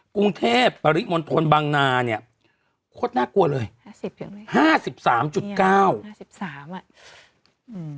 กรุงเทพปริมณฑลบางนาเนี้ยโคตรน่ากลัวเลยห้าสิบถึงเลยห้าสิบสามจุดเก้าห้าสิบสามอ่ะอืม